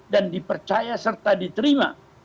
dan dipercaya serta diterima